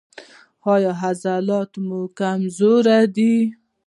ایا عضلات مو کمزوري دي؟